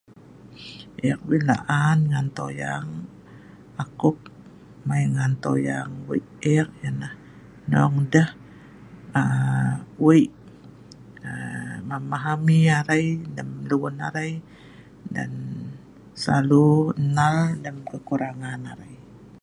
Ek wai la'an toyang akop mai ngan toyang wei' ek ianah hnong deh aaa wei' aaa memahami arai lem lun arai dan selalu nal lem kekurangn arai